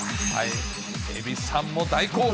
えびさんも大興奮。